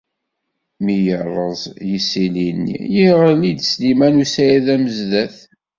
Mi yerreẓ yisili-nni, yeɣli-d Sliman u Saɛid Amezdat.